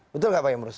betul tidak pak embrus